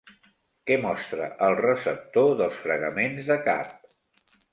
Què mostra el receptor dels fregaments de cap?